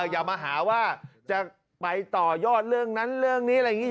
อย่ามาหาว่าจะไปต่อยอดเรื่องนั้นเรื่องนี้อะไรอย่างนี้